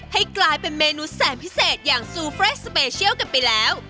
ให้กลายเป็นเมนูแสนพิเศษอย่างซูเฟรดสเปเชียลกันไปแล้ว